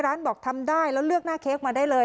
บอกทำได้แล้วเลือกหน้าเค้กมาได้เลย